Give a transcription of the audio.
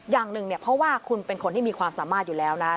อย่างหนึ่งเนี่ยเพราะว่าคุณเป็นคนที่มีความสามารถอยู่แล้วนะ